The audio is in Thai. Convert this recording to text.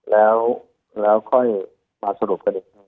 แล้วค่อยมาสรุปกันอีกที